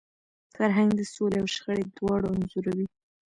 فرهنګ د سولي او شخړي دواړه انځوروي.